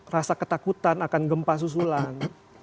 rasa ketakutan akan gempa susulan